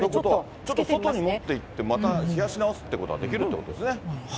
外に持っていって、冷やし直すっていうことができるってことですね。